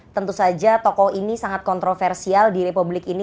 tentu saja tokoh ini sangat kontroversial di republik ini